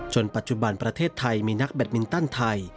ปัจจุบันประเทศไทยมีนักแบตมินตันไทย